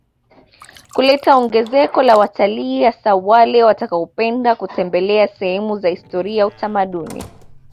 Kuleta ongezeko la wataliii hasa wale watakaopenda kutembelea sehemu za historia ya utamaduni